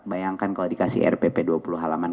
bayangkan kalau dikasih rpp dua puluh halaman